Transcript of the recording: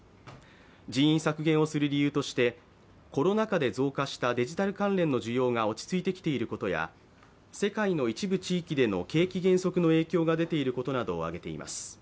人員削減をする理由としてコロナ禍で増加したデジタル関連の需要が落ち着いてきていることや世界の一部地域での景気減速の影響が出ていることなどを挙げています。